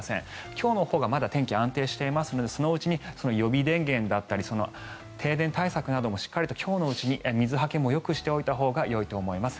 今日のほうがまだ天気が安定していますのでそのうちに予備電源だったり停電対策などもしっかりと今日のうちに水はけもよくしておいたほうがよいと思います。